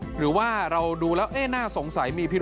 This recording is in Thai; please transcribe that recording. หรือว่าเราดูแล้วน่าสงสัยมีพิรุ